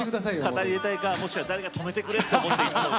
語り入れたいかもしくは誰か止めてくれって思っていつも歌ってます。